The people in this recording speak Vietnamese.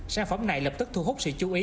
sản phẩm này lập tức thu hút sự chú ý